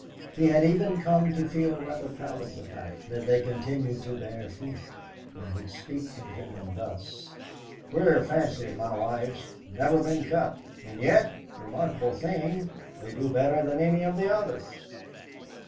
He had even come to feel rather proud of the fact that they continued to bear fruit, and would speak of them thus: "Queer fancy of my wife's, never been cut. And yet, remarkable thing, they do better than any of the others!"